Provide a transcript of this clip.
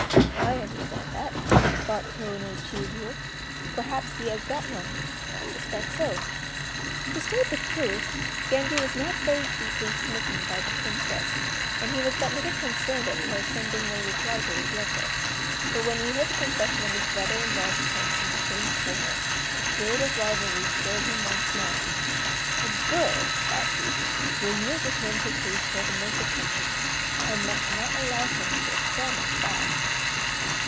"I understand that," thought Tô no Chiûjiô; "perhaps he has got one; I suspect so." To state the truth, Genji was not very deeply smitten by the Princess, and he was but little concerned at her sending no reply to his letter; but when he heard the confession of his brother in law's attempts in the same quarter, the spirit of rivalry stirred him once more. "A girl," thought he, "will yield to him who pays her the most attentions. I must not allow him to excel me in that."